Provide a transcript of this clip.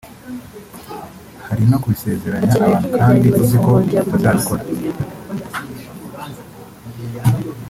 hari no kubisezeranya abantu kandi uzi ko utazabikora